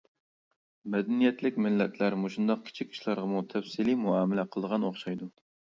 مەدەنىيەتلىك مىللەتلەر مۇشۇنداق كىچىك ئىشلارغىمۇ تەپسىلىي مۇئامىلە قىلىدىغان ئوخشايدۇ.